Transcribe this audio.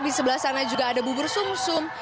di sebelah sana juga ada bubur sum sum